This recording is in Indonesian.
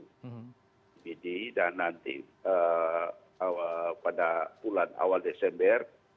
di pd dan nanti pada bulan awal desember